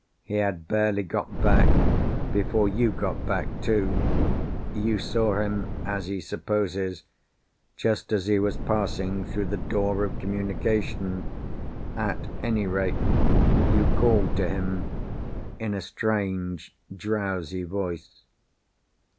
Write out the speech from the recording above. He had barely got back, before you got back too. You saw him (as he supposes) just as he was passing through the door of communication. At any rate, you called to him in a strange, drowsy voice.